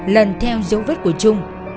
lần theo dấu vết của trung